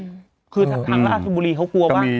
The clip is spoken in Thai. ถึงทั้งล่าสุดบุรีเขากลัววะ